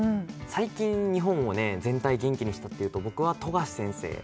最近、日本全体を元気にしたというと僕は富樫先生。